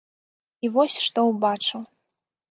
І вось што ўбачыў.